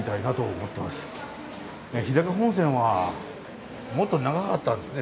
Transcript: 日高本線はもっと長かったんですね。